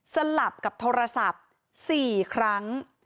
สลับกับโทรศัพท์๔ครั้ง